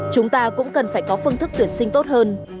chúng ta cũng cần phải có phương thức tuyển sinh tốt hơn